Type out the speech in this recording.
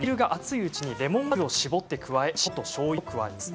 煮汁が熱いうちにレモン果汁を搾って加え塩としょうゆを加えます。